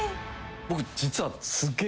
僕実は。